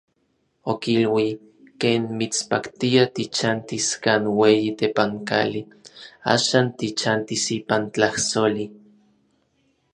Okilui: "Ken mitspaktia tichantis kan ueyi tepankali, axan tichantis ipan tlajsoli".